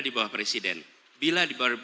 di bawah presiden bila di bawah